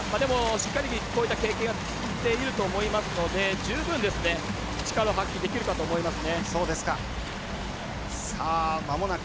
しっかり、こういった経験を積んでいると思いますので十分、力を発揮できるかと思います。